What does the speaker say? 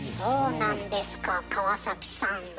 そうなんですか川崎さん。